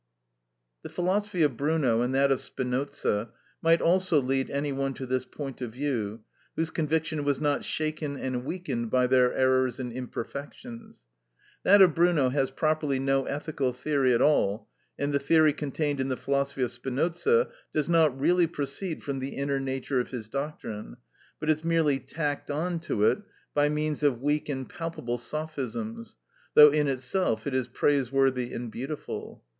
The philosophy of Bruno and that of Spinoza might also lead any one to this point of view whose conviction was not shaken and weakened by their errors and imperfections. That of Bruno has properly no ethical theory at all, and the theory contained in the philosophy of Spinoza does not really proceed from the inner nature of his doctrine, but is merely tacked on to it by means of weak and palpable sophisms, though in itself it is praiseworthy and beautiful.